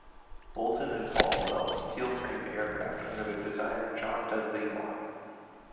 Boulton and Paul developed steel-framed aircraft under their designer John Dudley North.